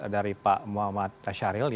dari pak muhammad tasyaril